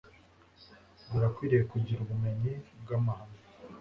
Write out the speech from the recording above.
Birakwiriye kugira ubumenyi bwamahame